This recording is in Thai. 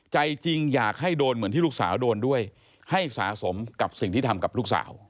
ใจจริงอยากให้โดนเหมือนที่ลูกสาวโดนด้วยให้สะสมกับสิ่งที่ทำกับลูกสาว